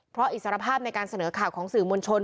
เพราะอิสรภาพในการเสนอข่าวของสื่อมวลชน